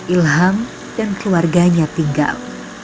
ilham dan keluarganya tinggal